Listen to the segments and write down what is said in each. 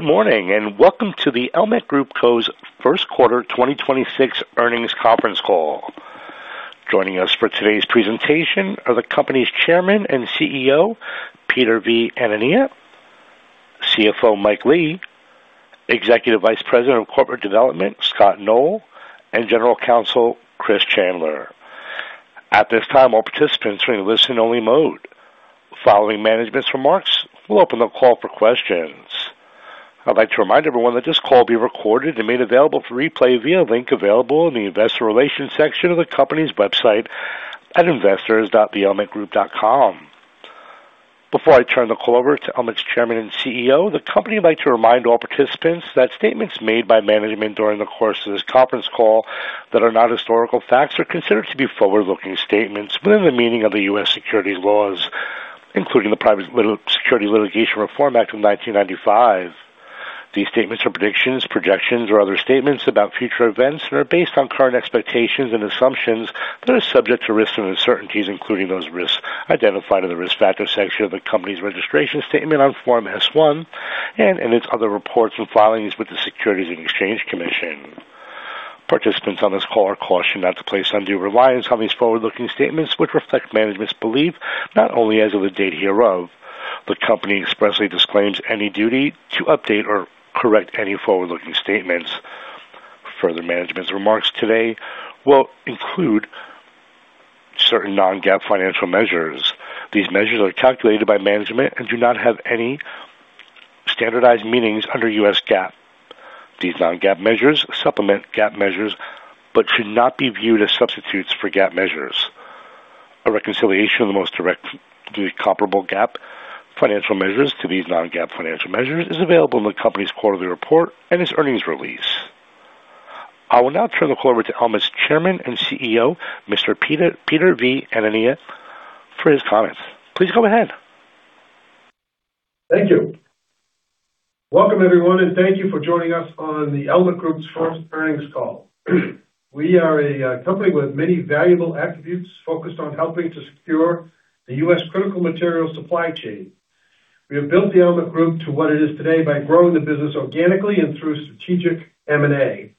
Good morning, and welcome to the Elmet Group Co's first quarter 2026 earnings conference call. Joining us for today's presentation are the company's Chairman and CEO, Peter V. Anania, CFO, Mike Lee, Executive Vice President of Corporate Development, Scott Knoll, and General Counsel, Chris Chandler. At this time, all participants are in listen-only mode. Following management's remarks, we'll open the call for questions. I'd like to remind everyone that this call will be recorded and made available for replay via link available in the investor relations section of the company's website at investors.theelmetgroup.com. Before I turn the call over to Elmet's Chairman and CEO, the company would like to remind all participants that statements made by management during the course of this conference call that are not historical facts are considered to be forward-looking statements within the meaning of the U.S. securities laws, including the Private Securities Litigation Reform Act of 1995. These statements are predictions, projections, or other statements about future events, and are based on current expectations and assumptions that are subject to risks and uncertainties, including those risks identified in the Risk Factors section of the company's registration statement on Form S-1, and in its other reports and filings with the Securities and Exchange Commission. Participants on this call are cautioned not to place undue reliance on these forward-looking statements, which reflect management's belief not only as of the date hereof. The company expressly disclaims any duty to update or correct any forward-looking statements. Further, management's remarks today will include certain non-GAAP financial measures. These measures are calculated by management and do not have any standardized meanings under U.S. GAAP. These non-GAAP measures supplement GAAP measures but should not be viewed as substitutes for GAAP measures. A reconciliation of the most directly comparable GAAP financial measures to these non-GAAP financial measures is available in the company's quarterly report and its earnings release. I will now turn the call over to Elmet's Chairman and CEO, Mr. Peter V. Anania, for his comments. Please go ahead. Thank you. Welcome everyone, thank you for joining us on the Elmet Group's first earnings call. We are a company with many valuable attributes focused on helping to secure the U.S. critical material supply chain. We have built the Elmet Group to what it is today by growing the business organically and through strategic M&A.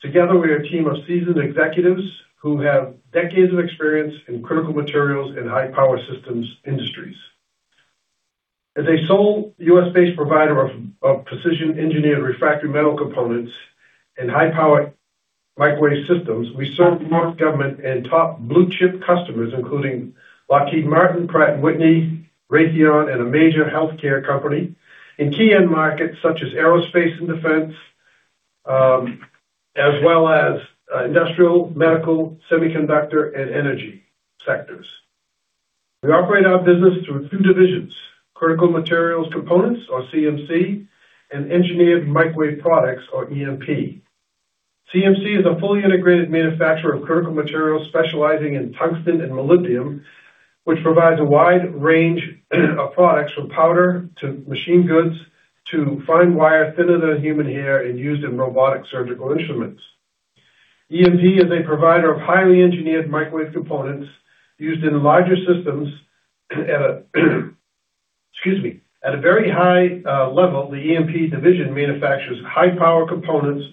Together, we are a team of seasoned executives who have decades of experience in critical materials and high-power systems industries. As a sole U.S.-based provider of precision engineered refractory metal components and high-power microwave systems, we serve the U.S. government and top blue-chip customers, including Lockheed Martin, Pratt & Whitney, Raytheon, and a major healthcare company in key end markets such as aerospace and defense, as well as industrial, medical, semiconductor, and energy sectors. We operate our business through two divisions, Critical Materials Components, or CMC, and Engineered Microwave Products, or EMP. CMC is a fully integrated manufacturer of critical materials specializing in tungsten and molybdenum, which provides a wide range of products from powder to machine goods to fine wire thinner than human hair and used in robotic surgical instruments. EMP is a provider of highly engineered microwave components used in larger systems at a very high level. The EMP division manufactures high-power components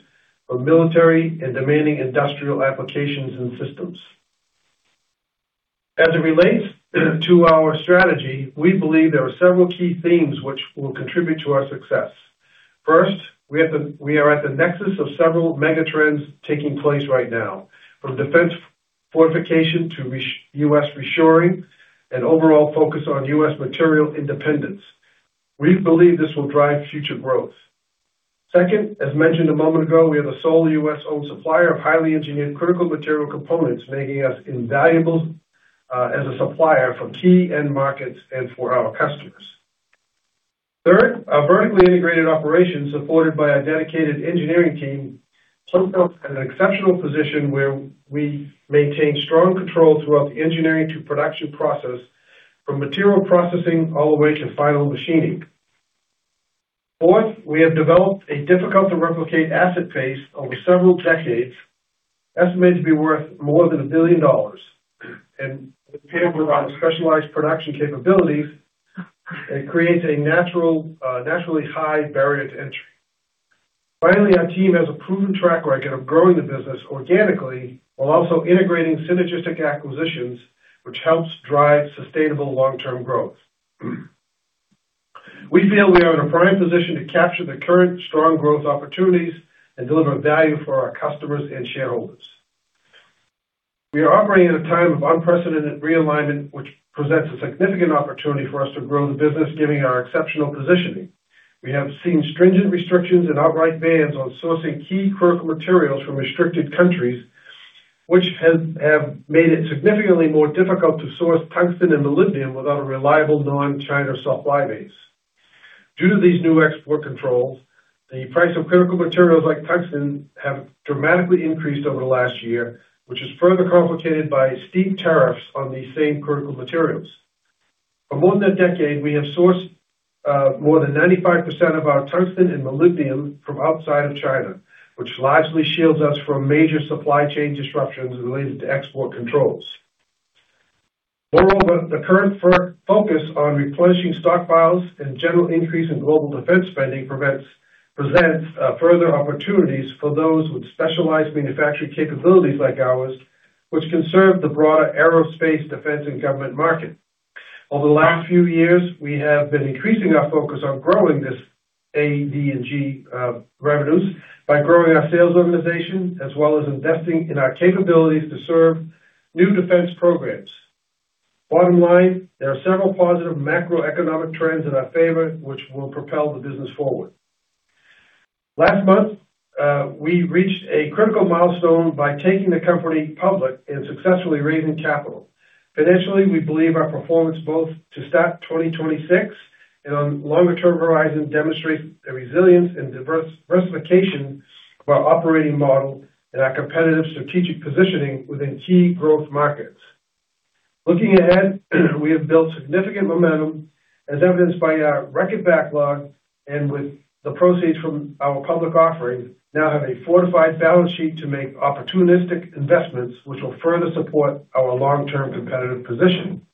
for military and demanding industrial applications and systems. As it relates to our strategy, we believe there are several key themes which will contribute to our success. First, we are at the nexus of several mega trends taking place right now, from defense fortification to U.S. reshoring and overall focus on U.S. material independence. We believe this will drive future growth. Second, as mentioned a moment ago, we are the sole U.S.-owned supplier of highly engineered critical material components, making us invaluable as a supplier for key end markets and for our customers. Third, our vertically integrated operations, supported by a dedicated engineering team, puts us at an exceptional position where we maintain strong control throughout the engineering to production process, from material processing all the way to final machining. Fourth, we have developed a difficult-to-replicate asset base over several decades, estimated to be worth more than $1 billion, paired with our specialized production capabilities, it creates a naturally high barrier to entry. Finally, our team has a proven track record of growing the business organically while also integrating synergistic acquisitions, which helps drive sustainable long-term growth. We feel we are in a prime position to capture the current strong growth opportunities and deliver value for our customers and shareholders. We are operating at a time of unprecedented realignment which presents a significant opportunity for us to grow the business given our exceptional positioning. We have seen stringent restrictions and outright bans on sourcing key critical materials from restricted countries, which have made it significantly more difficult to source tungsten and molybdenum without a reliable non-China supply base. Due to these new export controls, the price of critical materials like tungsten have dramatically increased over the last year, which is further complicated by steep tariffs on these same critical materials. For more than a decade, we have sourced more than 95% of our tungsten and molybdenum from outside of China, which largely shields us from major supply chain disruptions related to export controls. The current focus on replenishing stockpiles and general increase in global defense spending presents further opportunities for those with specialized manufacturing capabilities like ours, which can serve the broader Aerospace, Defense and Government market. Over the last few years, we have been increasing our focus on growing this ADG revenues by growing our sales organization, as well as investing in our capabilities to serve new defense programs. Bottom line, there are several positive macroeconomic trends in our favor, which will propel the business forward. Last month, we reached a critical milestone by taking the company public and successfully raising capital. Financially, we believe our performance both to start 2026 and on longer term horizon demonstrates the resilience and diversification of our operating model and our competitive strategic positioning within key growth markets. Looking ahead, we have built significant momentum as evidenced by our record backlog and with the proceeds from our public offerings now have a fortified balance sheet to make opportunistic investments which will further support our long term competitive position.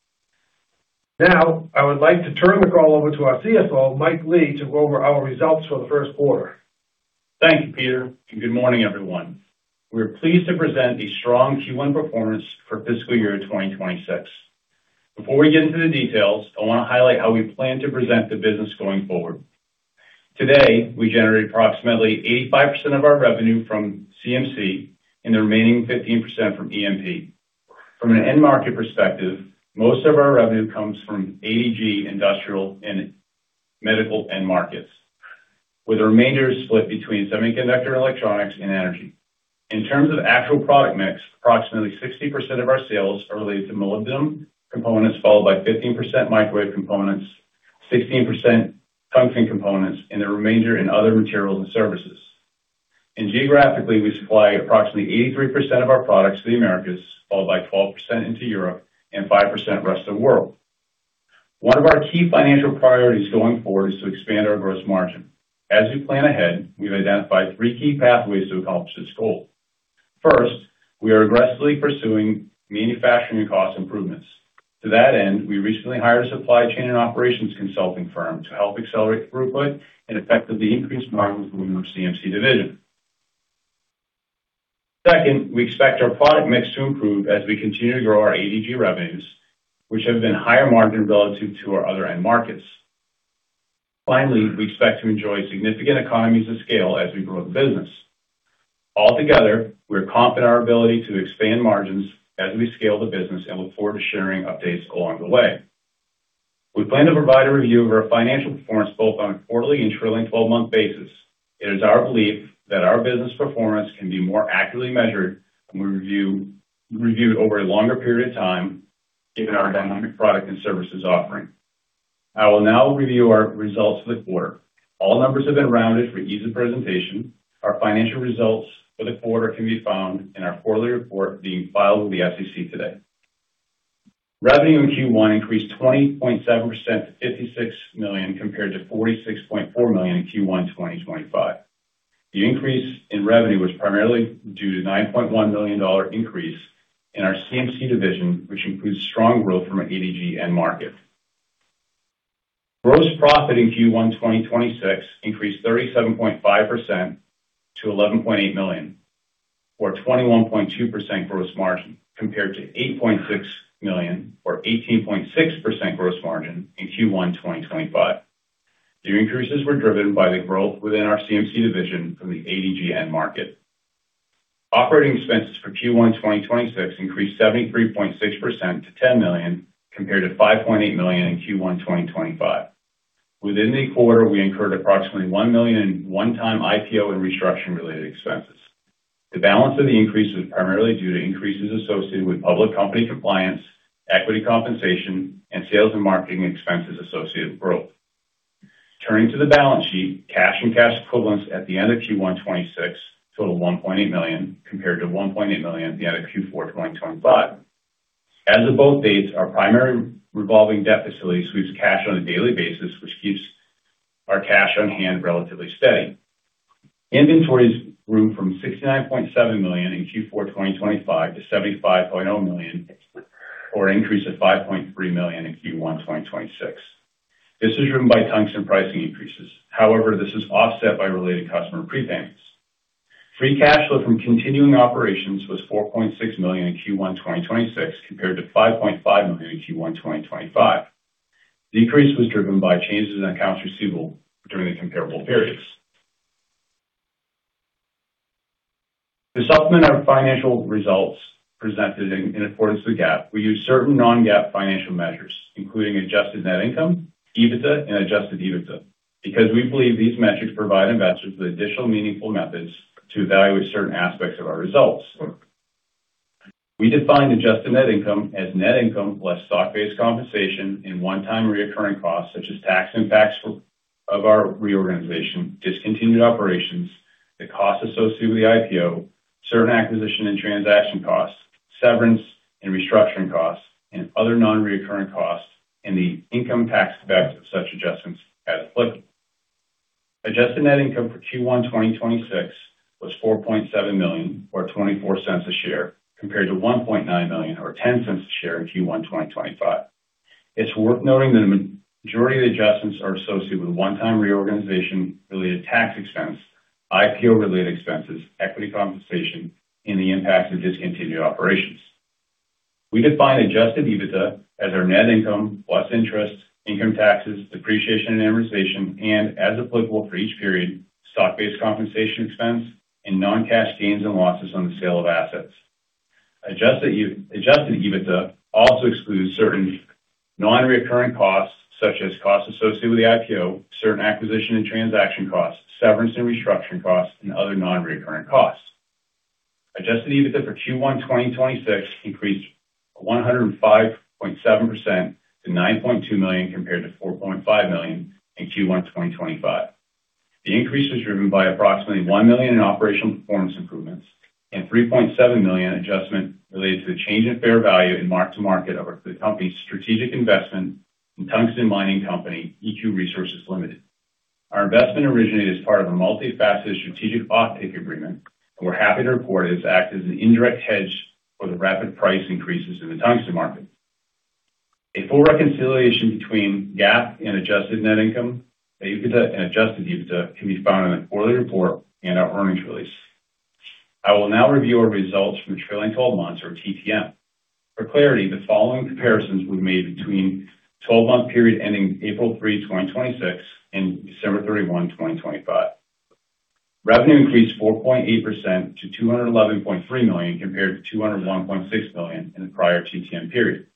Now, I would like to turn the call over to our CFO, Mike Lee, to go over our results for the first quarter. Thank you, Peter. Good morning, everyone. We are pleased to present a strong Q1 performance for fiscal year 2026. Before we get into the details, I want to highlight how we plan to present the business going forward. Today, we generate approximately 85% of our revenue from CMC and the remaining 15% from EMP. From an end market perspective, most of our revenue comes from ADG industrial and medical end markets, with the remainder split between semiconductor and electronics, and energy. In terms of actual product mix, approximately 60% of our sales are related to molybdenum components, followed by 15% microwave components, 16% tungsten components, and the remainder in other materials and services. Geographically, we supply approximately 83% of our products to the Americas, followed by 12% into Europe and 5% rest of the world. One of our key financial priorities going forward is to expand our gross margin. As we plan ahead, we've identified three key pathways to accomplish this goal. First, we are aggressively pursuing manufacturing cost improvements. To that end, we recently hired a supply chain and operations consulting firm to help accelerate throughput and effectively increase margins within our CMC division. Second, we expect our product mix to improve as we continue to grow our ADG revenues, which have been higher margin relative to our other end markets. Finally, we expect to enjoy significant economies of scale as we grow the business. Altogether, we're confident in our ability to expand margins as we scale the business and look forward to sharing updates along the way. We plan to provide a review of our financial performance, both on a quarterly and trailing 12-month basis. It is our belief that our business performance can be more accurately measured when we review over a longer period of time given our dynamic product and services offering. I will now review our results for the quarter. All numbers have been rounded for ease of presentation. Our financial results for the quarter can be found in our quarterly report being filed with the SEC today. Revenue in Q1 increased 20.7% to $56 million, compared to $46.4 million in Q1 2025. The increase in revenue was primarily due to a $9.1 million increase in our CMC division, which includes strong growth from an ADG end market. Gross profit in Q1 2026 increased 37.5% to $11.8 million, or 21.2% gross margin compared to $8.6 million or 18.6% gross margin in Q1 2025. The increases were driven by the growth within our CMC division from the ADG end market. Operating expenses for Q1 2026 increased 73.6% to $10 million, compared to $5.8 million in Q1 2025. Within the quarter, we incurred approximately $1 million in one-time IPO and restructuring related expenses. The balance of the increase was primarily due to increases associated with public company compliance, equity compensation, and sales and marketing expenses associated with growth. Turning to the balance sheet, cash and cash equivalents at the end of Q1 2026 total $1.8 million, compared to $1.8 million at the end of Q4 2025. As of both dates, our primary revolving debt facility sweeps cash on a daily basis, which keeps our cash on hand relatively steady. Inventories grew from $69.7 million in Q4 2025 to $75.0 million, or an increase of $5.3 million in Q1 2026. This is driven by tungsten pricing increases. However, this is offset by related customer prepayments. Free cash flow from continuing operations was $4.6 million in Q1 2026 compared to $5.5 million in Q1 2025. Decrease was driven by changes in accounts receivable during the comparable periods. To supplement our financial results presented in accordance with GAAP, we use certain non-GAAP financial measures, including adjusted net income, EBITDA and adjusted EBITDA, because we believe these metrics provide investors with additional meaningful methods to evaluate certain aspects of our results. We define adjusted net income as net income less stock-based compensation and one-time non-recurring costs such as tax impacts of our reorganization, discontinued operations, the costs associated with the IPO, certain acquisition and transaction costs, severance and restructuring costs, and other non-recurring costs, and the income tax effects of such adjustments as applicable. Adjusted net income for Q1 2026 was $4.7 million, or $0.24 a share, compared to $1.9 million or $0.10 a share in Q1 2025. It is worth noting that a majority of the adjustments are associated with one-time reorganization related tax expense, IPO-related expenses, equity compensation, and the impact of discontinued operations. We define adjusted EBITDA as our net income plus interest, income taxes, depreciation, and amortization, and, as applicable for each period, stock-based compensation expense, and non-cash gains and losses on the sale of assets. Adjusted EBITDA also excludes certain non-recurring costs, such as costs associated with the IPO, certain acquisition and transaction costs, severance and restructuring costs, and other non-recurring costs. Adjusted EBITDA for Q1 2026 increased 105.7% to $9.2 million compared to $4.5 million in Q1 2025. The increase was driven by approximately $1 million in operational performance improvements and $3.7 million adjustment related to the change in fair value in mark-to-market of our company's strategic investment in tungsten mining company, EQ Resources Limited. Our investment originated as part of a multi-faceted strategic offtake agreement, and we're happy to report it has acted as an indirect hedge for the rapid price increases in the tungsten market. A full reconciliation between GAAP and adjusted net income, EBITDA and adjusted EBITDA, can be found in the quarterly report and our earnings release. I will now review our results from trailing 12 months, or TTM. For clarity, the following comparisons we've made between 12-month period ending April 3, 2026, and December 31, 2025. Revenue increased 4.8% to $211.3 million compared to $201.6 million in the prior TTM period.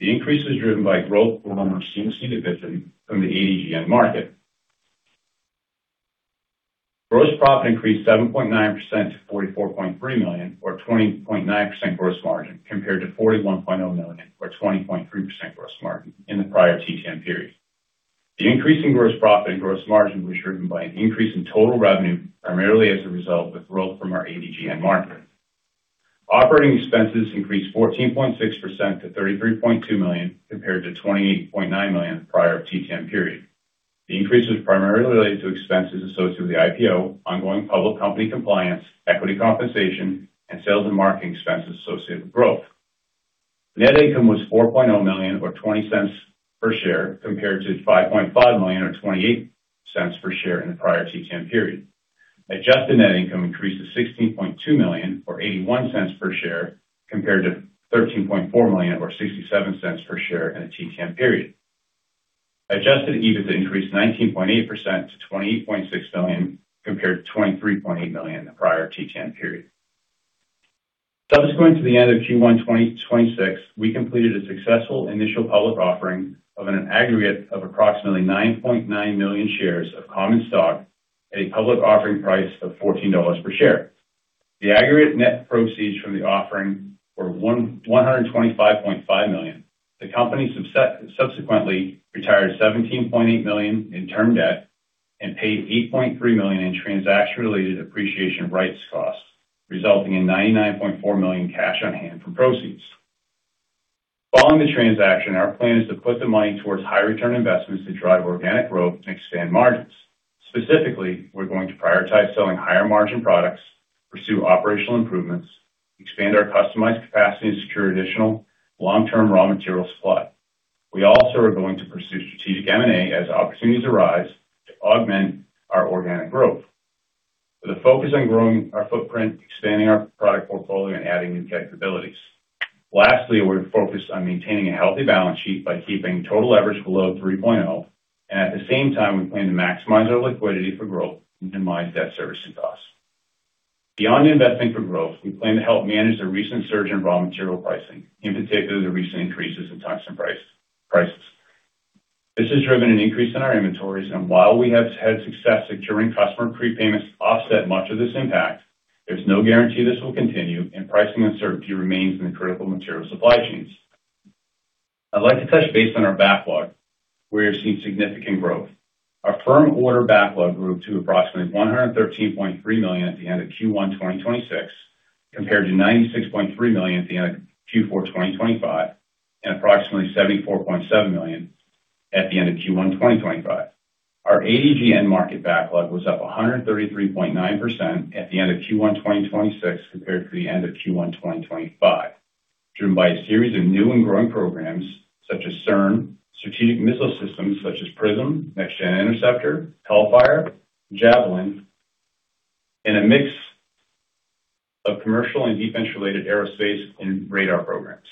The increase was driven by growth from our CMC division from the ADG market. Gross profit increased 7.9% to $44.3 million, or 20.9% gross margin, compared to $41.0 million or 20.3% gross margin in the prior TTM period. The increase in gross profit and gross margin was driven by an increase in total revenue, primarily as a result of growth from our ADG market. Operating expenses increased 14.6% to $33.2 million compared to $28.9 million the prior TTM period. The increase was primarily related to expenses associated with the IPO, ongoing public company compliance, equity compensation, and sales and marketing expenses associated with growth. Net income was $4.0 million or $0.20 per share compared to $5.5 million or $0.28 per share in the prior TTM period. Adjusted net income increased to $16.2 million or $0.81 per share compared to $13.4 million or $0.67 per share in the TTM period. Adjusted EBITDA increased 19.8% to $28.6 million compared to $23.8 million in the prior TTM period. Subsequent to the end of Q1 2026, we completed a successful initial public offering of an aggregate of approximately 9.9 million shares of common stock at a public offering price of $14 per share. The aggregate net proceeds from the offering were $125.5 million. The company subsequently retired $17.8 million in term debt and paid $8.3 million in transaction-related appreciation rights costs, resulting in $99.4 million cash on hand from proceeds. Following the transaction, our plan is to put the money towards high return investments to drive organic growth and expand margins. Specifically, we're going to prioritize selling higher margin products, pursue operational improvements, expand our customized capacity, and secure additional long-term raw material supply. We also are going to pursue strategic M&A as opportunities arise to augment our organic growth, with a focus on growing our footprint, expanding our product portfolio, and adding new capabilities. Lastly, we're focused on maintaining a healthy balance sheet by keeping total leverage below 3.0x, and at the same time, we plan to maximize our liquidity for growth and minimize debt servicing costs. Beyond investing for growth, we plan to help manage the recent surge in raw material pricing, in particular, the recent increases in tungsten prices. This has driven an increase in our inventories, and while we have had success securing customer prepayments to offset much of this impact, there's no guarantee this will continue, and pricing uncertainty remains in the critical material supply chains. I'd like to touch base on our backlog, where we've seen significant growth. Our firm order backlog grew to approximately $113.3 million at the end of Q1 2026, compared to $96.3 million at the end of Q4 2025, and approximately $74.7 million at the end of Q1 2025. Our ADG market backlog was up 133.9% at the end of Q1 2026 compared to the end of Q1 2025, driven by a series of new and growing programs such as CERN, strategic missile systems such as PrSM, Next Generation Interceptor, Hellfire, Javelin, and a mix of commercial and defense-related aerospace and radar programs.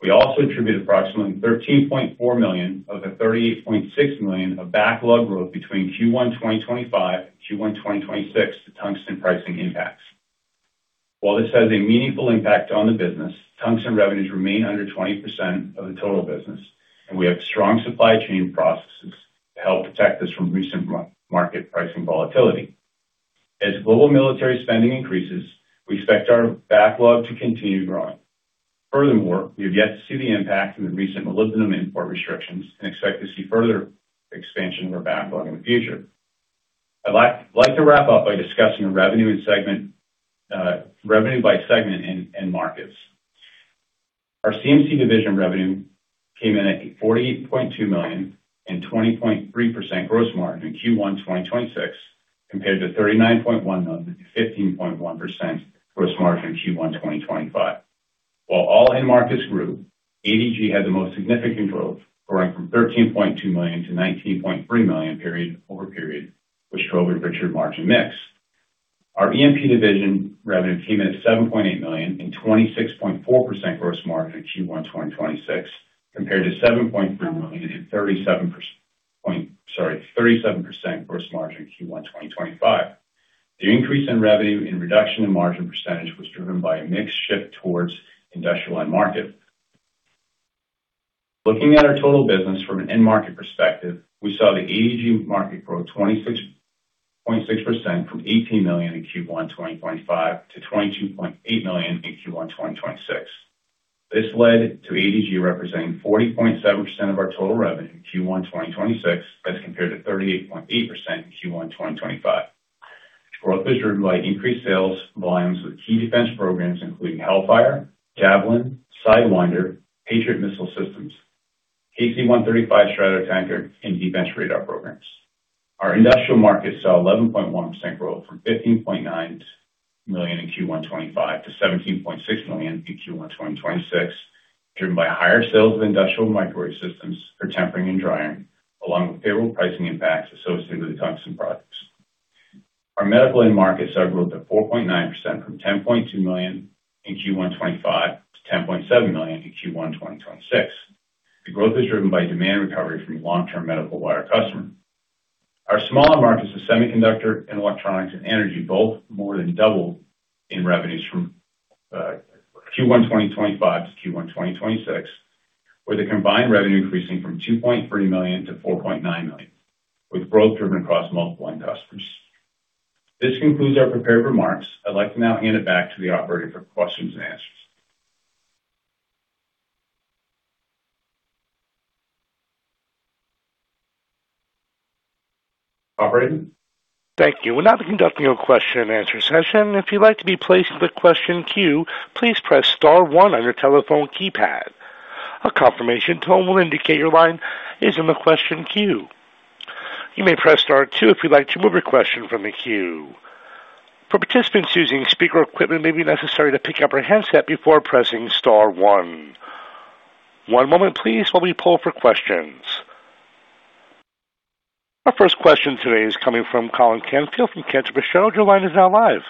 We also attribute approximately $13.4 million of the $38.6 million of backlog growth between Q1 2025 and Q1 2026 to tungsten pricing impacts. While this has a meaningful impact on the business, tungsten revenues remain under 20% of the total business, and we have strong supply chain processes to help protect us from recent market pricing volatility. As global military spending increases, we expect our backlog to continue growing. Furthermore, we have yet to see the impact of the recent molybdenum import restrictions and expect to see further expansion of our backlog in the future. I'd like to wrap up by discussing revenue by segment and markets. Our CMC division revenue came in at $48.2 million and 20.3% gross margin in Q1 2026 compared to $39.1 million, 15.1% gross margin Q1 2025. While all end markets grew, ADG had the most significant growth, growing from $13.2 million-$19.3 million period-over-period, which drove a richer margin mix. Our EMP division revenue came in at $7.8 million and 26.4% gross margin in Q1 2026 compared to $7.3 million in 37% gross margin Q1 2025. The increase in revenue and reduction in margin percentage was driven by a mix shift towards industrial end market. Looking at our total business from an end market perspective, we saw the ADG market grow 26.6%, from $18 million in Q1 2025 to $22.8 million in Q1 2026. This led to ADG representing 40.7% of our total revenue in Q1 2026 as compared to 38.8% in Q1 2025. Growth was driven by increased sales volumes with key defense programs including Hellfire, Javelin, Sidewinder, Patriot missile system, KC-135 Stratotanker, and defense radar programs. Our industrial market saw 11.1% growth from $15.9 million in Q1 2025 to $17.6 million in Q1 2026, driven by higher sales of industrial microwave systems for tempering and drying, along with favorable pricing impacts associated with tungsten products. Our medical end markets have grown to 4.9%, from $10.2 million in Q1 2025 to $10.7 million in Q1 2026. The growth is driven by demand recovery from a long-term medical wire customer. Our smaller markets of semiconductor and electronics and energy both more than doubled in revenues from Q1 2025 to Q1 2026, with the combined revenue increasing from $2.3 million-$4.9 million, with growth driven across multiple end customers. This concludes our prepared remarks. I'd like to now hand it back to the operator for questions-and-answers. Operator? Thank you. We will now begin question-and-answer session, if you would like to be place in the question queue please press star one on the telephone keypad, a confirmation tone will indicate your line is in the question queue. You may press star two if you'd like to move your question from the queue. Participants using speaker equipment maybe neccessary to pick up your handset before pressing star one. One moment please when we pose for questions. Our first question today is coming from Colin Canfield from Cantor Fitzgerald. Your line is now live.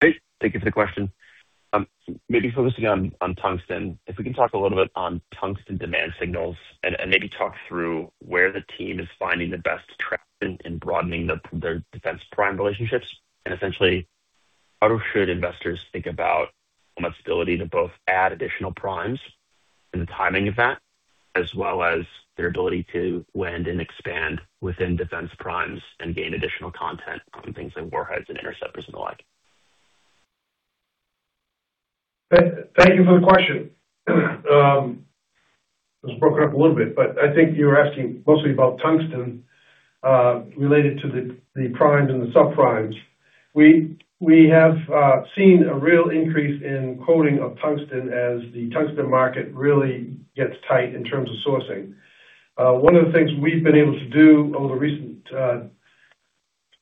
Hey, thank you for the question. Maybe focusing on tungsten, if we can talk a little bit on tungsten demand signals and maybe talk through where the team is finding the best traction in broadening their defense prime relationships. Essentially, how should investors think about the company's ability to both add additional primes and the timing of that, as well as their ability to land and expand within defense primes and gain additional content on things like warheads and interceptors and the like? Thank you for the question. It was broken up a little bit, but I think you were asking mostly about tungsten, related to the primes and the sub-primes. We have seen a real increase in quoting of tungsten as the tungsten market really gets tight in terms of sourcing. One of the things we've been able to do over the recent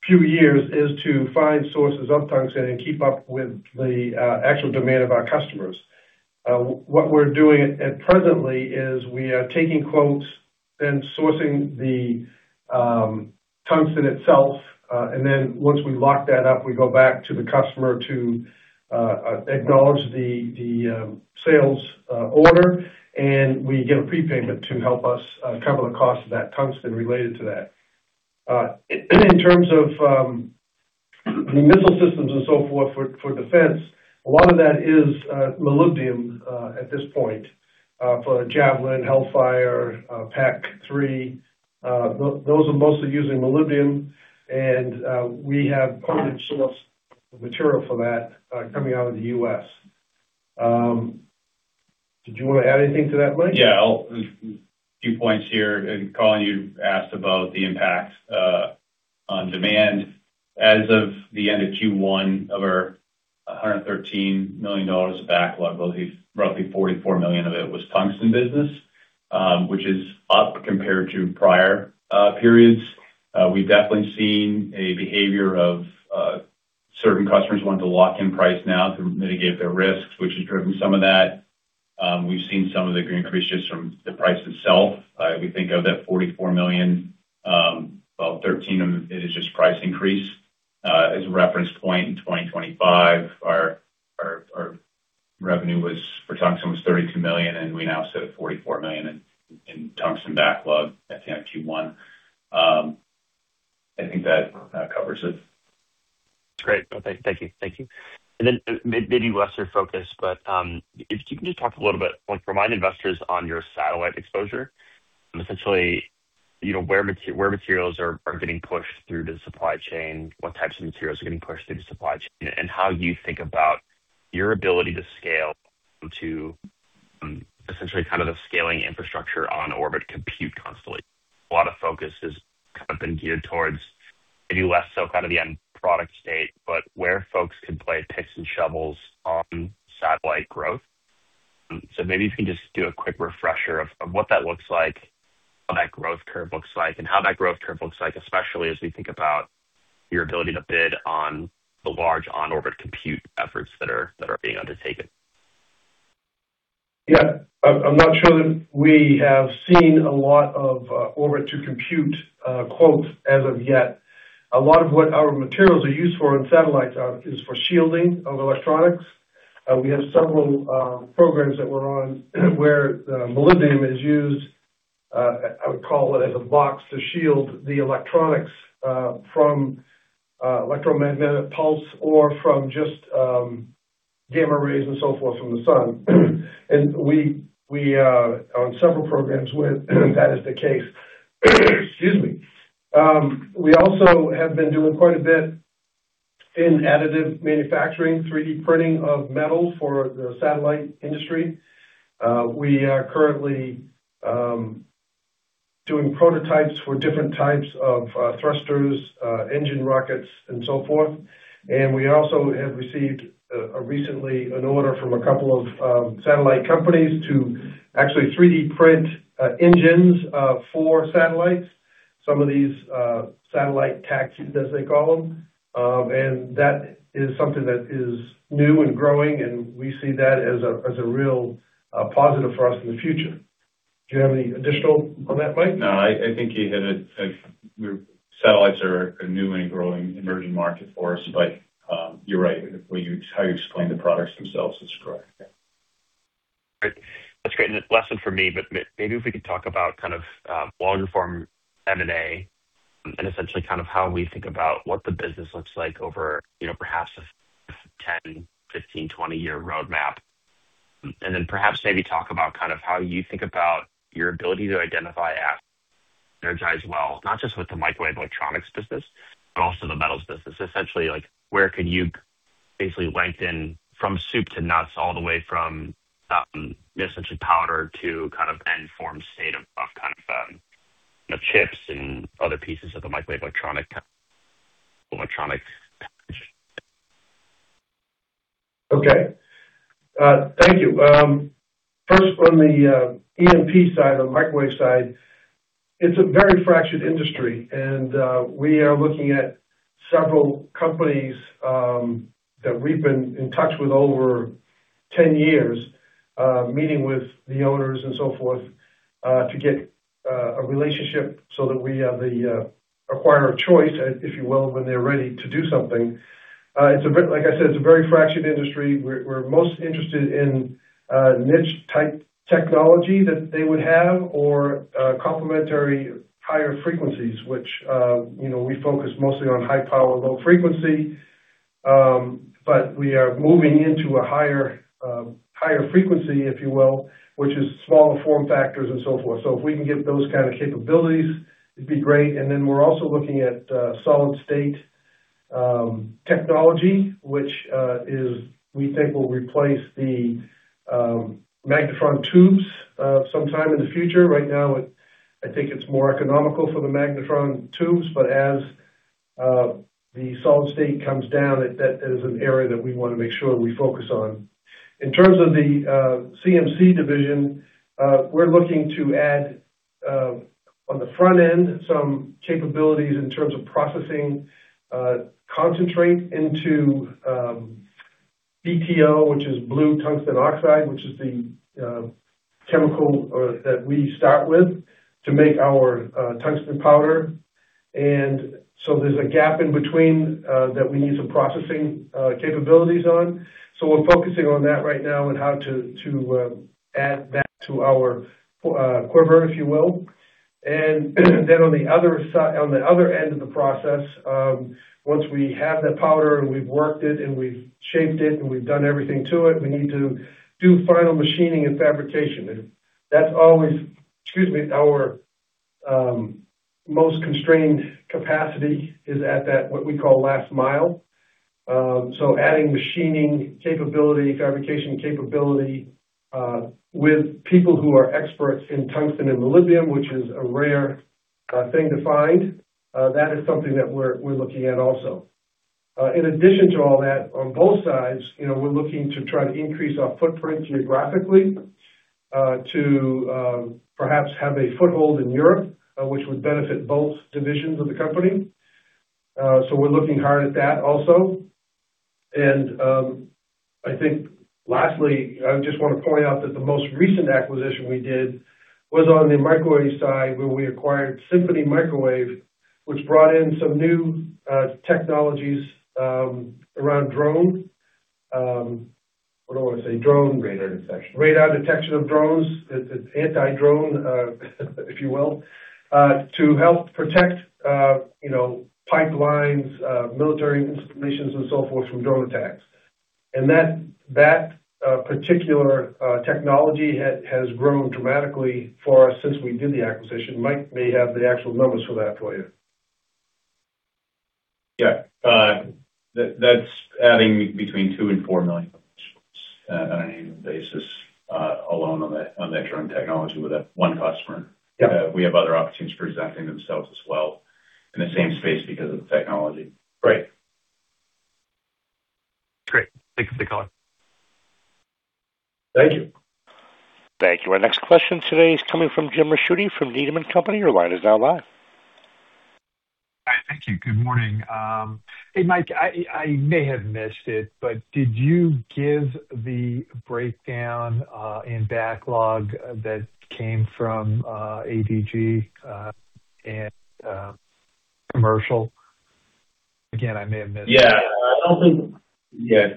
few years is to find sources of tungsten and keep up with the actual demand of our customers. What we're doing presently is we are taking quotes, then sourcing the tungsten itself, and then once we lock that up, we go back to the customer to acknowledge the sales order, and we get a prepayment to help us cover the cost of that tungsten related to that. In terms of the missile systems and so forth for defense, a lot of that is molybdenum at this point, for Javelin, Hellfire, PAC-3. Those are mostly using molybdenum, and we have quoted source of material for that coming out of the U.S. Did you want to add anything to that, Mike? A few points here. Colin, you asked about the impact on demand. As of the end of Q1, of our $113 million backlog, roughly $44 million of it was tungsten business, which is up compared to prior periods. We've definitely seen a behavior of certain customers wanting to lock in price now to mitigate their risks, which has driven some of that. We've seen some of the increases from the price itself. We think of that $44 million, about $13 million is just price increase. As a reference point in 2025, our revenue for tungsten was $32 million, and we now sit at $44 million in tungsten backlog at the end of Q1. I think that covers it. Great. Okay. Thank you. Then maybe lesser focus, but if you can just talk a little bit, remind investors on your satellite exposure, and essentially where materials are getting pushed through the supply chain, what types of materials are getting pushed through the supply chain, and how you think about your ability to scale to essentially kind of the scaling infrastructure on orbit compute constantly. A lot of focus has kind of been geared towards maybe less so kind of the end product state, but where folks could play picks and shovels on satellite growth. Maybe if you can just do a quick refresher of what that looks like, what that growth curve looks like, and how that growth curve looks like, especially as we think about your ability to bid on the large on-orbit compute efforts that are being undertaken. Yeah. I'm not sure that we have seen a lot of orbit-to-compute quotes as of yet. A lot of what our materials are used for in satellites is for shielding of electronics. We have several programs that we're on where the molybdenum is used, I would call it, as a box to shield the electronics from electromagnetic pulse or from just gamma rays and so forth from the sun. We are on several programs with that as the case. Excuse me. We also have been doing quite a bit in additive manufacturing, 3D printing of metal for the satellite industry. We are currently doing prototypes for different types of thrusters, engine rockets, and so forth. We also have received recently an order from a couple of satellite companies to actually 3D print engines for satellites. Some of these satellite taxis, as they call them. That is something that is new and growing, and we see that as a real positive for us in the future. Do you have any additional on that, Mike? I think you hit it. Satellites are a new and growing emerging market for us. You're right. How you explained the products themselves is correct. Great. That's great. A lesson for me, but maybe if we could talk about kind of longer form M&A and essentially kind of how we think about what the business looks like over perhaps a 10, 15, 20-year roadmap. Then perhaps maybe talk about kind of how you think about your ability to identify, synergize well, not just with the microwave electronics business, but also the metals business. Essentially, where could you basically lengthen from soup to nuts, all the way from essentially powder to kind of end form state of kind of chips and other pieces of the microwave electronic package? Okay. Thank you. First, on the EMP side, on the microwave side, it's a very fractured industry. We are looking at several companies that we've been in touch with over 10 years, meeting with the owners and so forth, to get a relationship so that we are the acquirer of choice, if you will, when they're ready to do something. Like I said, it's a very fractured industry. We're most interested in niche-type technology that they would have or complementary higher frequencies, which we focus mostly on high power, low frequency. We are moving into a higher frequency, if you will, which is smaller form factors and so forth. If we can get those kind of capabilities, it'd be great. We're also looking at solid state technology, which we think will replace the magnetron tubes sometime in the future. Right now, I think it's more economical for the magnetron tubes, but as the solid state comes down, that is an area that we want to make sure we focus on. In terms of the CMC division, we're looking to add, on the front end, some capabilities in terms of processing concentrate into BTO, which is blue tungsten oxide, which is the chemical that we start with to make our tungsten powder. There's a gap in between that we need some processing capabilities on. We're focusing on that right now and how to add that to our quiver, if you will. On the other end of the process, once we have that powder and we've worked it and we've shaped it and we've done everything to it, we need to do final machining and fabrication. That's always, excuse me, our most constrained capacity is at that what we call last mile. Adding machining capability, fabrication capability, with people who are experts in tungsten and molybdenum, which is a rare thing to find, that is something that we're looking at also. In addition to all that, on both sides, we're looking to try to increase our footprint geographically, to perhaps have a foothold in Europe, which would benefit both divisions of the company. We're looking hard at that also. I think lastly, I just want to point out that the most recent acquisition we did was on the microwave side, where we acquired Symphony Microwave, which brought in some new technologies around drones. Radar detection. Radar detection of drones, anti-drone if you will, to help protect pipelines, military installations, and so forth from drone attacks. That particular technology has grown dramatically for us since we did the acquisition. Mike may have the actual numbers for that for you. Yeah. That's adding between $2 million and $4 million potential, on an annual basis alone on that drone technology with that one customer. Yeah. We have other opportunities presenting themselves as well in the same space because of the technology. Great. Thanks for the color. Thank you. Thank you. Our next question today is coming from Jim Ricchiuti from Needham & Company. Your line is now live. Hi. Thank you. Good morning. Hey, Mike, I may have missed it, but did you give the breakdown in backlog that came from ADG and commercial? Again, I may have missed it. Yeah.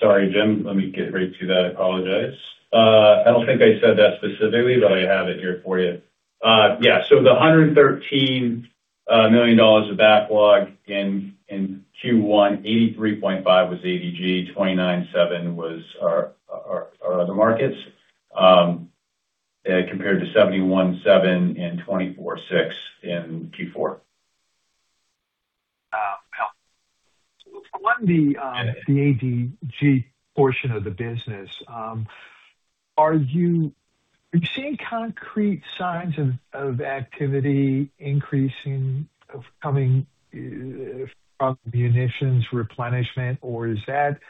Sorry, Jim, let me get right to that. I apologize. I don't think I said that specifically, but I have it here for you. Yeah. The $113 million of backlog in Q1, $83.5 million was ADG, $29.7 million was our other markets, compared to $71.7 million and $24.6 million in Q4. On the ADG portion of the business, are you seeing concrete signs of activity increasing, of coming from munitions replenishment, or is that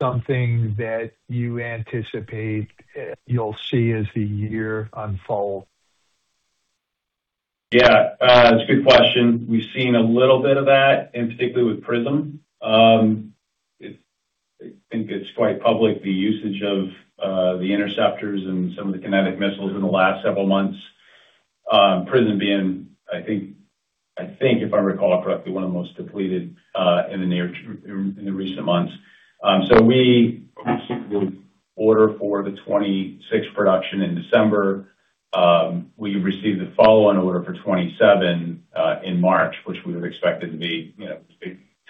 something that you anticipate you'll see as the year unfolds? Yeah. It's a good question. We've seen a little bit of that, and particularly with PrSM. I think it's quite public, the usage of the interceptors and some of the kinetic missiles in the last several months. PrSM being, I think, if I recall correctly, one of the most depleted in the recent months. We received the order for the 2026 production in December. We received the follow-on order for 2027, in March, which we would expect it to be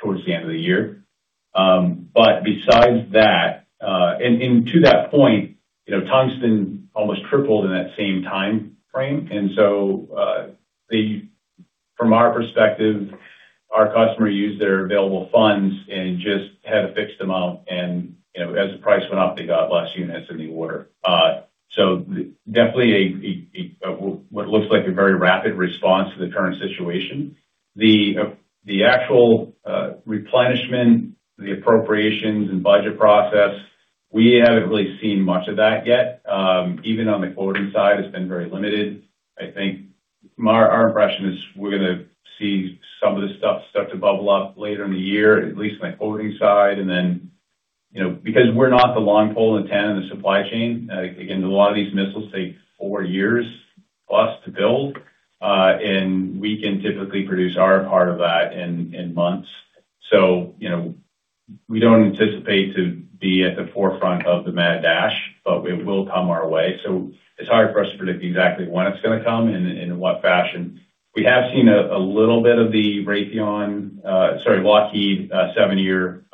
towards the end of the year. Besides that, and to that point, tungsten almost tripled in that same time frame. From our perspective, our customer used their available funds and just had a fixed amount, and as the price went up, they got less units in the order. Definitely what looks like a very rapid response to the current situation. The actual replenishment, the appropriations, and budget process, we haven't really seen much of that yet. Even on the ordering side, it's been very limited. I think our impression is we're going to see some of this stuff start to bubble up later in the year, at least on the ordering side. Because we're not the long pole in the tent in the supply chain, again, a lot of these missiles take four years plus to build. We can typically produce our part of that in months. We don't anticipate to be at the forefront of the mad dash, but it will come our way. It's hard for us to predict exactly when it's going to come and in what fashion. We have seen a little bit of the Lockheed seven-year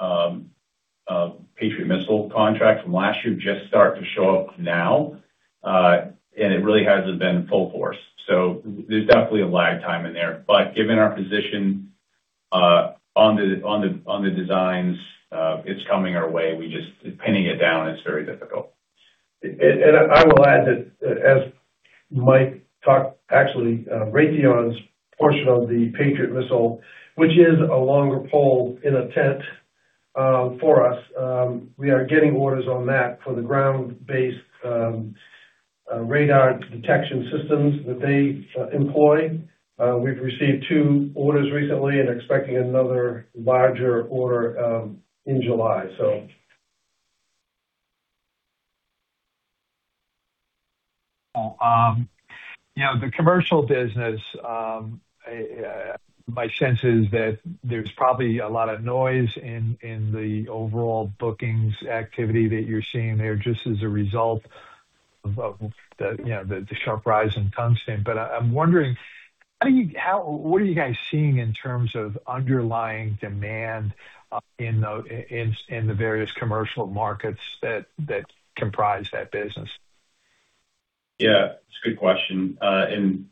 Patriot missile contract from last year just start to show up now. It really hasn't been full force. There's definitely a lag time in there. Given our position on the designs, it's coming our way. Pinning it down is very difficult. I will add that as Mike talked, actually, Raytheon's portion of the Patriot missile, which is a longer pole in a tent for us, we are getting orders on that for the ground-based radar detection systems that they employ. We've received two orders recently and expecting another larger order in July. The commercial business, my sense is that there's probably a lot of noise in the overall bookings activity that you're seeing there just as a result of the sharp rise in tungsten. I'm wondering, what are you guys seeing in terms of underlying demand in the various commercial markets that comprise that business? It's a good question. In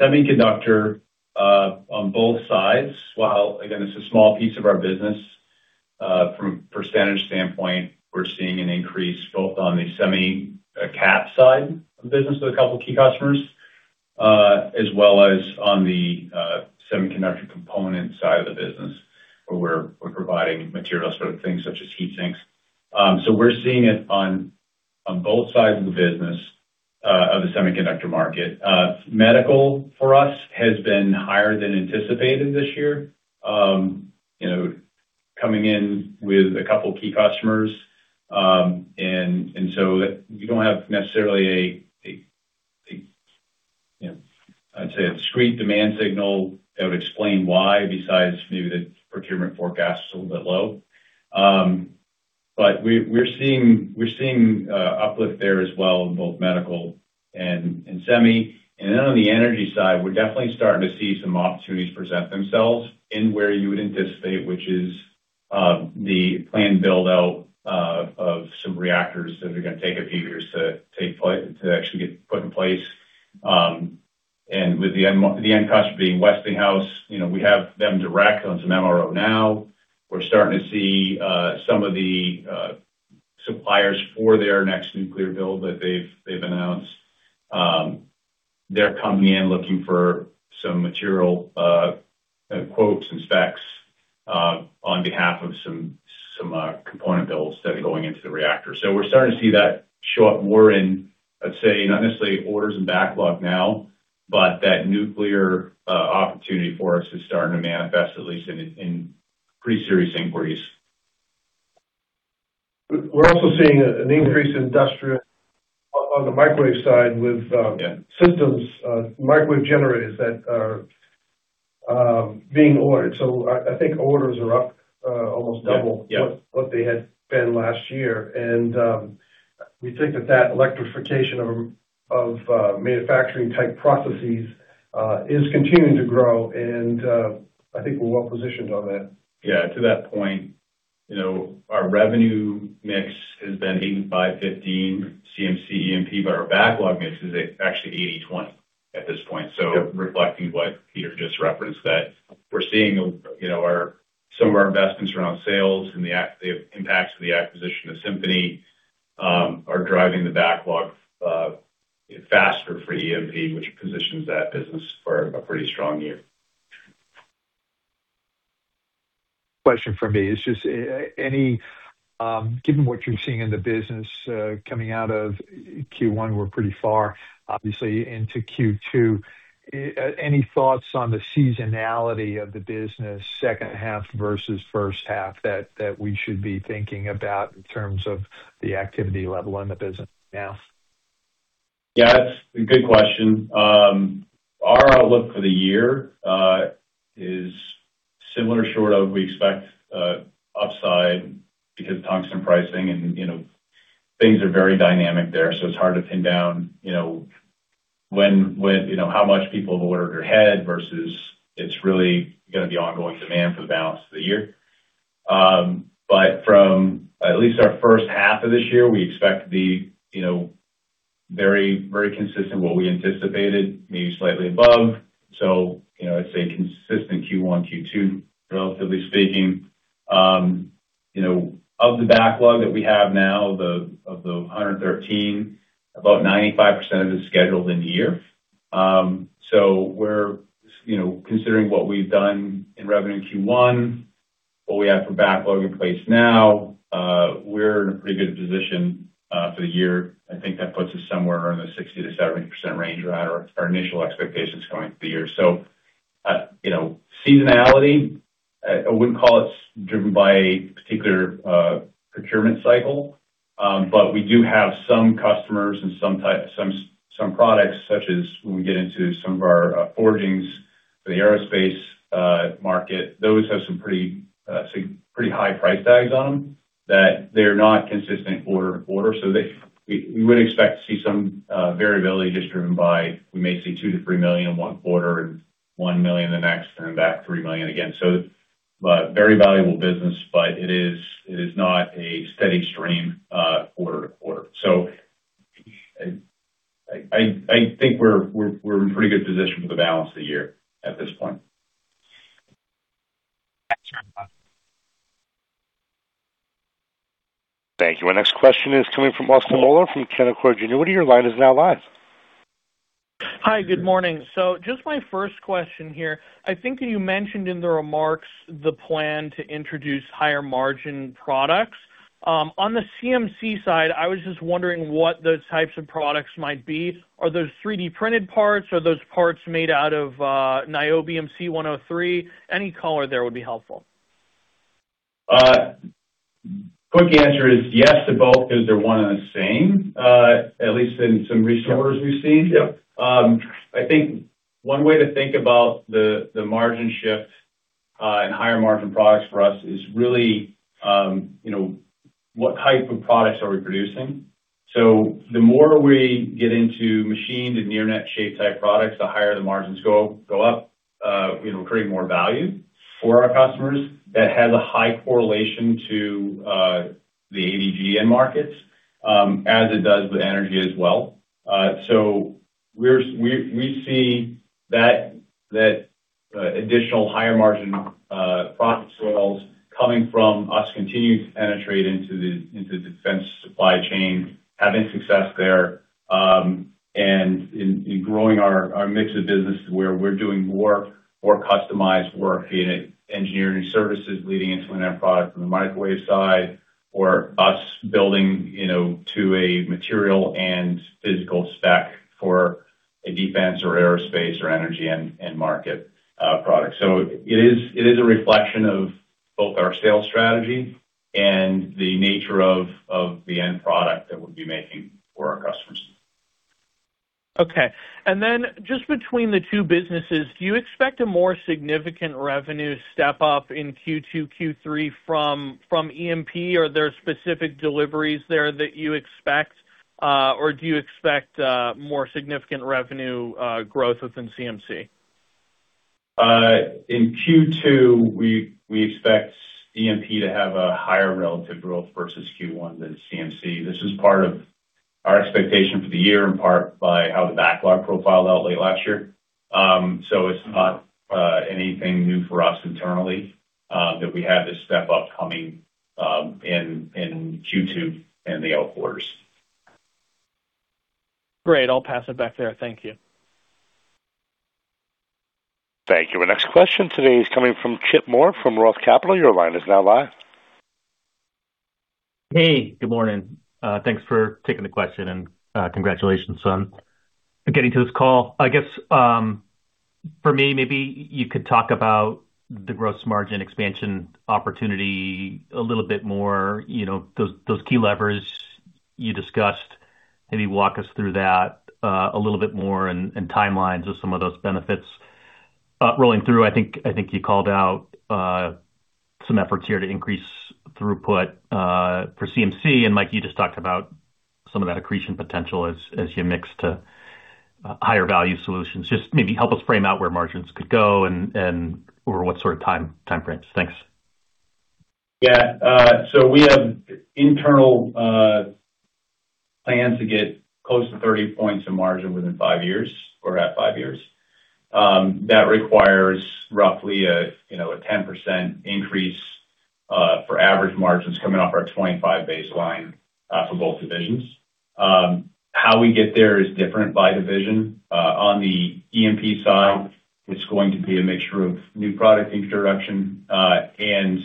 semiconductor, on both sides, while again, it's a small piece of our business, from a percentage standpoint, we're seeing an increase both on the semi cap side of the business with a couple of key customers, as well as on the semiconductor component side of the business, where we're providing material sort of things such as heat sinks. We're seeing it on both sides of the business of the semiconductor market. Medical for us has been higher than anticipated this year, coming in with a couple key customers. You don't have necessarily a discrete demand signal that would explain why besides maybe the procurement forecast is a little bit low. We're seeing uplift there as well in both medical and semi. On the energy side, we're definitely starting to see some opportunities present themselves in where you would anticipate, which is the plan build out of some reactors that are going to take a few years to actually get put in place. With the end customer being Westinghouse, we have them direct on some MRO now. We're starting to see some of the suppliers for their next nuclear build that they've announced. They're coming in looking for some material quotes and specs on behalf of some component builds that are going into the reactor. We're starting to see that show up more in, I'd say, not necessarily orders and backlog now, but that nuclear opportunity for us is starting to manifest at least in pretty serious inquiries. We're also seeing an increase in industrial on the microwave side- Yeah. ...systems, microwave generators that are being ordered. I think orders are up almost- Yeah. ...what they had been last year. We think that that electrification of manufacturing-type processes is continuing to grow, and I think we're well-positioned on that. Yeah, to that point, our revenue mix has been 85/15 CMC/EMP, but our backlog mix is actually 80/20 at this point. Reflecting what Peter just referenced, that we're seeing some of our investments around sales and the impacts of the acquisition of Symphony are driving the backlog faster for EMP, which positions that business for a pretty strong year. Question from me. Given what you're seeing in the business coming out of Q1, we're pretty far obviously into Q2, any thoughts on the seasonality of the business second half versus first half that we should be thinking about in terms of the activity level in the business now? Yeah, that's a good question. Our outlook for the year is similar short of, we expect upside because tungsten pricing and things are very dynamic there, so it's hard to pin down how much people have ordered ahead versus it's really going to be ongoing demand for the balance of the year. From at least our first half of this year, we expect to be very consistent what we anticipated, maybe slightly above. I'd say consistent Q1, Q2, relatively speaking. Of the backlog that we have now, of the $113, about 95% of it is scheduled in the year. Considering what we've done in revenue in Q1, what we have for backlog in place now, we're in a pretty good position for the year. I think that puts us somewhere in the 60%-70% range. We're at our initial expectations going through the year. Seasonality, I wouldn't call it driven by a particular procurement cycle. We do have some customers and some products, such as when we get into some of our forgings for the aerospace market. Those have some pretty high price tags on them that they're not consistent quarter-to-quarter. We would expect to see some variability just driven by, we may see $2 million-$3 million one quarter and $1 million the next, and then back $3 million again. Very valuable business, but it is not a steady stream quarter-to-quarter. I think we're in pretty good position for the balance of the year at this point. Thank you. Our next question is coming from Austin Moeller from Canaccord Genuity. Your line is now live. Hi, good morning. Just my first question here. I think that you mentioned in the remarks the plan to introduce higher margin products. On the CMC side, I was just wondering what those types of products might be. Are those 3D printed parts? Are those parts made out of niobium C103? Any color there would be helpful. Quick answer is yes to both because they're one and the same, at least in some recent orders we've seen. Yeah. I think one way to think about the margin shift and higher margin products for us is really what type of products are we producing. The more we get into machined and near net shape type products, the higher the margins go up, creating more value for our customers. That has a high correlation to the ADG markets as it does with energy as well. We see that additional higher margin product sales coming from us continuing to penetrate into the defense supply chain, having success there, and in growing our mix of business to where we're doing more customized work, be it engineering services leading into an end product from the microwave side or us building to a material and physical spec for a defense or aerospace or energy end market product. It is a reflection of both our sales strategy and the nature of the end product that we'll be making for our customers. Okay. Just between the two businesses, do you expect a more significant revenue step up in Q2, Q3 from EMP? Are there specific deliveries there that you expect? Do you expect more significant revenue growth within CMC? In Q2, we expect EMP to have a higher relative growth versus Q1 than CMC. This is part of our expectation for the year, in part by how the backlog profiled out late last year. It's not anything new for us internally that we have this step-up coming in Q2 and the out quarters. Great. I'll pass it back there. Thank you. Thank you. Our next question today is coming from Chip Moore from Roth Capital. Your line is now live. Hey, good morning. Thanks for taking the question and congratulations on getting to this call. I guess for me, maybe you could talk about the gross margin expansion opportunity a little bit more, those key levers you discussed. Maybe walk us through that a little bit more and timelines of some of those benefits rolling through. I think you called out some efforts here to increase throughput for CMC, and Mike, you just talked about some of that accretion potential as you mix to higher value solutions. Just maybe help us frame out where margins could go and over what sort of time frames. Thanks. Yeah. We have internal plans to get close to 30 points in margin within five years or at five years. That requires roughly a 10% increase for average margins coming off our 2025 baseline for both divisions. How we get there is different by division. On the EMP side, it's going to be a mixture of new product introduction and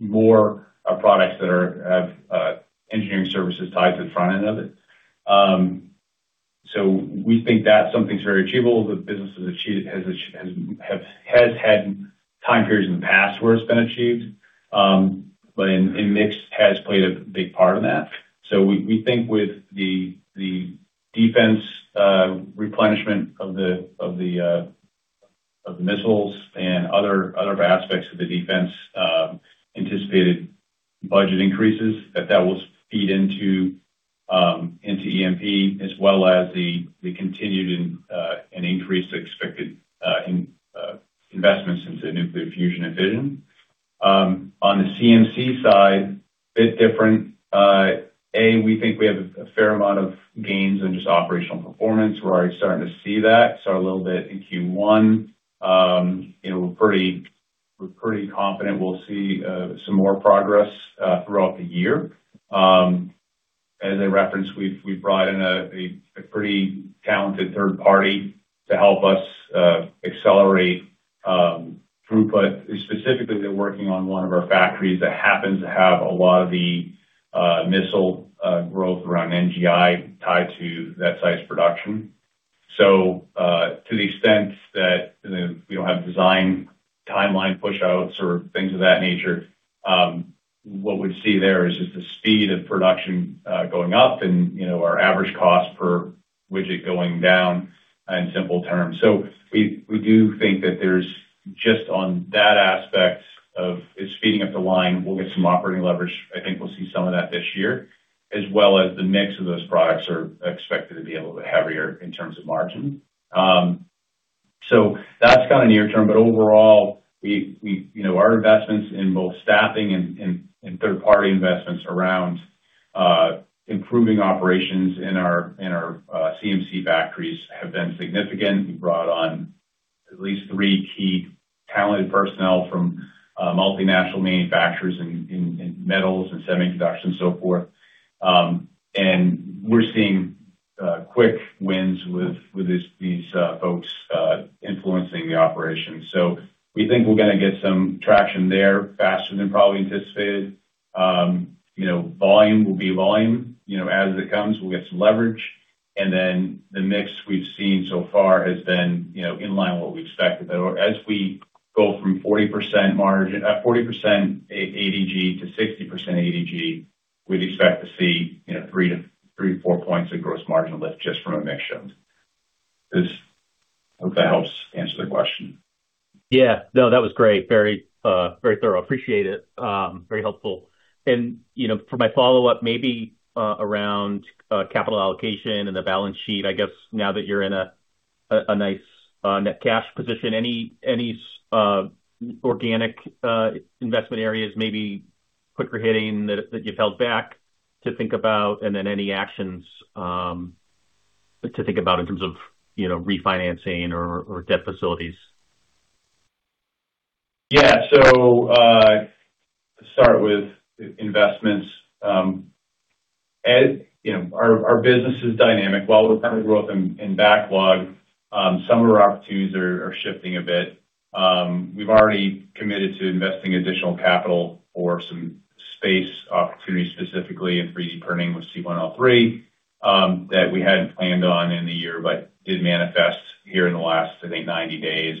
more products that have engineering services tied to the front end of it. We think that something's very achievable. The business has hard time periods in the past where it's been achieved, and mix has played a big part in that. We think with the defense replenishment of the missiles and other aspects of the defense anticipated budget increases, that that will feed into EMP as well as the continued and increased expected investments into nuclear fusion and fission. On the CMC side, a bit different. We think we have a fair amount of gains in just operational performance. We're already starting to see that, saw a little bit in Q1. We're pretty confident we'll see some more progress throughout the year. As I referenced, we've brought in a pretty talented third party to help us accelerate throughput. Specifically, they're working on one of our factories that happens to have a lot of the missile growth around NGI tied to that size production. To the extent that we don't have design timeline pushouts or things of that nature, what we'd see there is just the speed of production going up and our average cost per widget going down in simple terms. We do think that there's just on that aspect of it's speeding up the line, we'll get some operating leverage. I think we'll see some of that this year, as well as the mix of those products are expected to be a little bit heavier in terms of margin. That's kind of near term, but overall, our investments in both staffing and third-party investments around improving operations in our CMC factories have been significant. We brought on at least three key talented personnel from multinational manufacturers in metals and semiconductors and so forth. We're seeing quick wins with these folks influencing the operations. We think we're going to get some traction there faster than probably anticipated. Volume will be volume. As it comes, we'll get some leverage. The mix we've seen so far has been in line with what we expected. As we go from 40% ADG to 60% ADG, we'd expect to see 3-4 points of gross margin lift just from a mix shift. Hope that helps answer the question. Yeah. No, that was great. Very thorough. Appreciate it. Very helpful. For my follow-up, maybe around capital allocation and the balance sheet, I guess now that you're in a nice net cash position, any organic investment areas maybe quicker hitting that you've held back to think about, and then any actions to think about in terms of refinancing or debt facilities? Yeah. To start with investments. Our business is dynamic. While we're proud of growth in backlog, some of our opportunities are shifting a bit. We've already committed to investing additional capital for some space opportunities, specifically in 3D printing with C103, that we hadn't planned on in the year, but did manifest here in the last, I think, 90 days.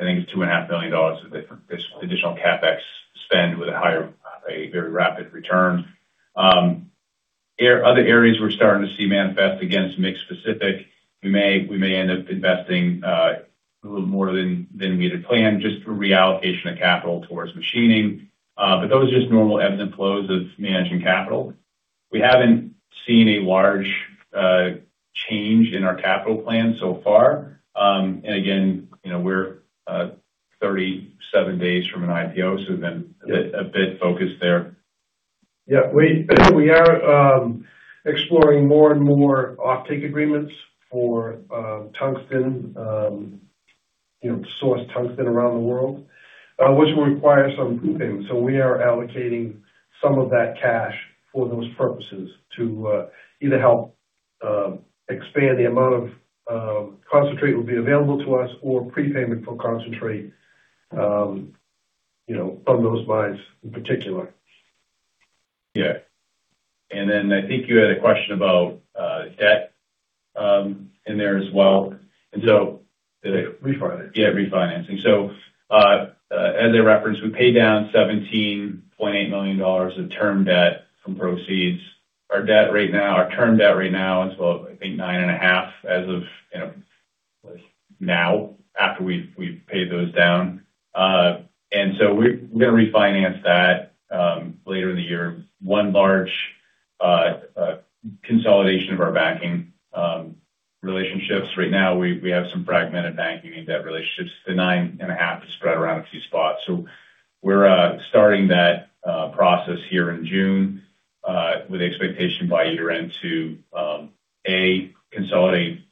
I think it's $2.5 million of additional CapEx spend with a very rapid return. Other areas we're starting to see manifest against mix specific. We may end up investing a little more than we had planned just for reallocation of capital towards machining. Those are just normal ebbs and flows of managing capital. We haven't seen a large change in our capital plan so far. Again, we're 37 days from an IPO, we've been a bit focused there. Yeah. We are exploring more and more offtake agreements for tungsten, source tungsten around the world, which will require some prepaying. We are allocating some of that cash for those purposes to either help expand the amount of concentrate will be available to us or prepayment for concentrate on those mines in particular. Yeah. I think you had a question about debt in there as well. Refinancing. Yeah, refinancing. As I referenced, we paid down $17.8 million of term debt from proceeds. Our term debt right now is, well, I think $9.5 as of now, after we've paid those down. We're going to refinance that later in the year. One large consolidation of our banking relationships. Right now, we have some fragmented banking and debt relationships. The $9.5 is spread around a few spots. We're starting that process here in June, with expectation by year-end to, A, consolidate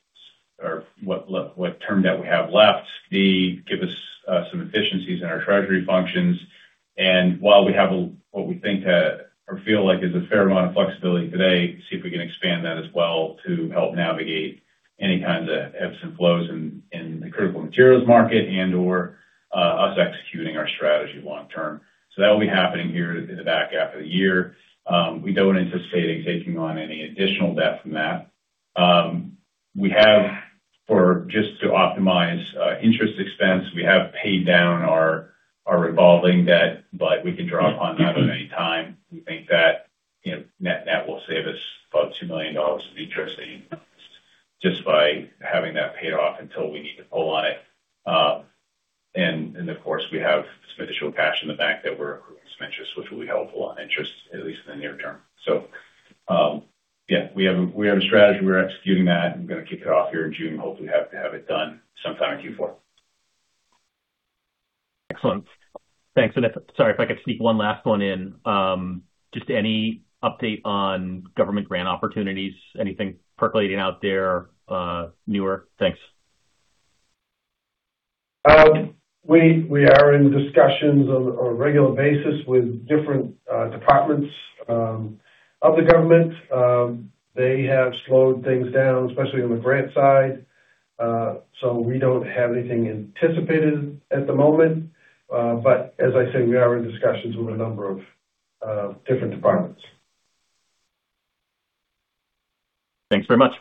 what term debt we have left. B, give us some efficiencies in our treasury functions. While we have what we think or feel like is a fair amount of flexibility today, see if we can expand that as well to help navigate any kinds of ebbs and flows in the critical materials market and/or us executing our strategy long term. That will be happening here in the back half of the year. We don't anticipate taking on any additional debt from that. Just to optimize interest expense, we have paid down our revolving debt, but we can draw upon that at any time. We think that net will save us about $2 million of interest payments just by having that paid off until we need to pull on it. Of course, we have some additional cash in the bank that we're accruing some interest, which will be helpful on interest, at least in the near term. Yeah, we have a strategy. We're executing that and going to kick it off here in June. Hopefully, have to have it done sometime in Q4. Excellent. Thanks. Sorry if I could sneak one last one in. Just any update on government grant opportunities? Anything percolating out there, newer? Thanks. We are in discussions on a regular basis with different departments of the government. They have slowed things down, especially on the grant side. We don't have anything anticipated at the moment. As I said, we are in discussions with a number of different departments. Thanks very much.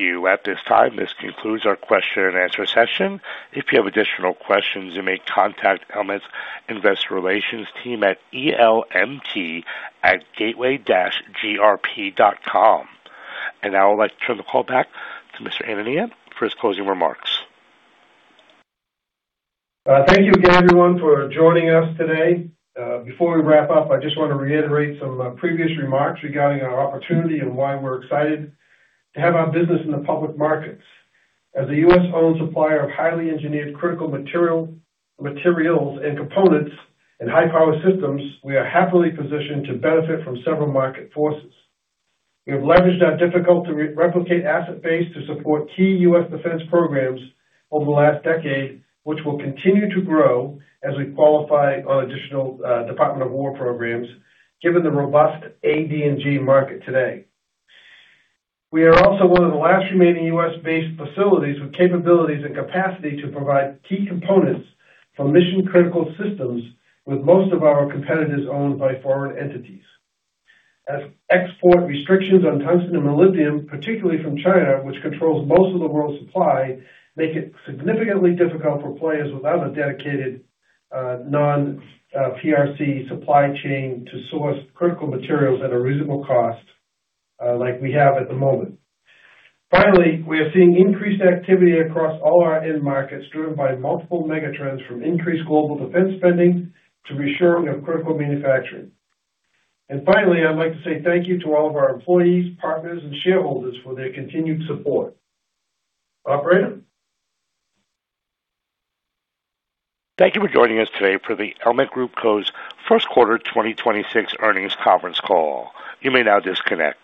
Thank you. At this time, this concludes our question-and-answer session. If you have additional questions, you may contact Elmet Group's investor relations team at elmt@gateway-grp.com. Now I'd like to turn the call back to Mr. Anania for his closing remarks. Thank you again, everyone, for joining us today. Before we wrap up, I just want to reiterate some previous remarks regarding our opportunity and why we're excited to have our business in the public markets. As a U.S.-owned supplier of highly engineered critical materials and components and high-power systems, we are happily positioned to benefit from several market forces. We have leveraged our difficult to replicate asset base to support key U.S. defense programs over the last decade, which will continue to grow as we qualify on additional Department of Defense programs, given the robust ADG market today. We are also one of the last remaining U.S.-based facilities with capabilities and capacity to provide key components for mission-critical systems, with most of our competitors owned by foreign entities. As export restrictions on tungsten and molybdenum, particularly from China, which controls most of the world's supply, make it significantly difficult for players without a dedicated non-PRC supply chain to source critical materials at a reasonable cost like we have at the moment. We are seeing increased activity across all our end markets, driven by multiple mega trends from increased global defense spending to reshoring of critical manufacturing. Finally, I'd like to say thank you to all of our employees, partners, and shareholders for their continued support. Operator? Thank you for joining us today for the Elmet Group Co's first quarter 2026 earnings conference call. You may now disconnect.